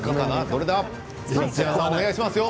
お願いしますよ。